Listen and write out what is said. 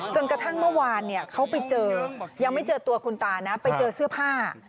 จนกระทั่งเมื่อวานเขาไปเจอยังไม่เจอตัวคุณตานะไปเจอเสื้อผ้า